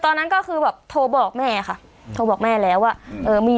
ตอนนั้นก็คือแบบโทรบอกแม่ค่ะโทรบอกแม่แล้วว่าเออมี